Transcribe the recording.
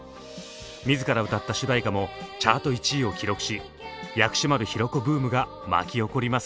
自ら歌った主題歌もチャート１位を記録し薬師丸ひろ子ブームが巻き起こります。